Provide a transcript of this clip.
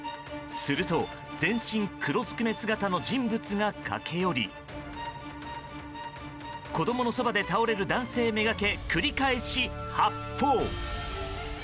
すると、全身黒ずくめ姿の人物が駆け寄り子供のそばで倒れる男性めがけ繰り返し発砲。